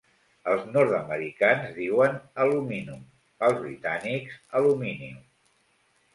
Els nord-americans diuen "aluminum", els britànics "aluminium".